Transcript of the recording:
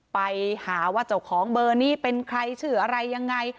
ไปหาว่าเจ้าของเบอร์นี้เป็นใครชื่ออะไรยังไง